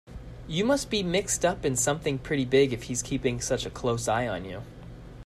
You must be mixed up in something pretty big if he's keeping such a close eye on you.